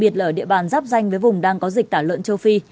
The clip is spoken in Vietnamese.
tranh với vùng đang có dịch tả lợn châu phi